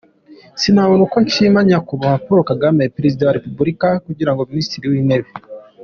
sinabona uko nshima Nyakubahwa Paul Kagame, Perezida wa Repubulika kungira Minisitiri w’Intebe ".